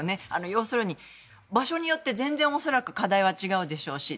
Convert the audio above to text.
要するに、場所によって全然恐らく課題は違うでしょうし。